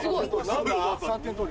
何だ？